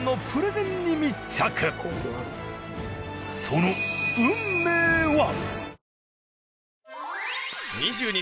その運命は？